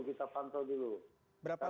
berapa lama pak